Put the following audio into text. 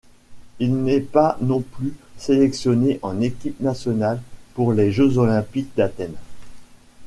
Il n'est pas non plus sélectionné en équipe nationale pour les Jeux olympiques d'Athènes.